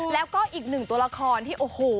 แล้วก็อีกหนึ่งตัวละครที่โอ้โห